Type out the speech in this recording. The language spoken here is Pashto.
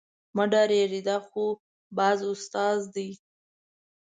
مه ډارېږئ دا خو باز استاد دی.